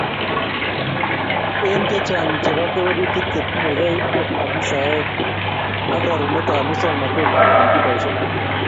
Eng che chang chebo kewelutik che tinyekei ak afisaek ak rerunetab muswoknatet ab kompyutaisiek